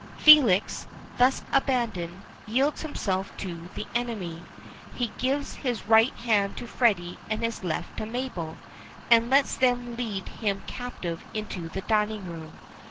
Felix, thus abandoned, yields himself to the enemy. He gives his right hand to Freddy and his left to Mabel, and lets them lead him captive into the dining room.